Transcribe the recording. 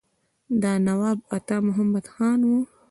دا نواب عطا محمد خان وو.